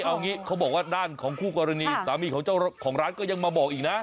เอางี้เขาบอกว่าด้านของคู่กรณีสามีของเจ้าของร้านก็ยังมาบอกอีกนะ